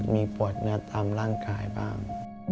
มีปวดเนื้อตามร่างกายบ้าง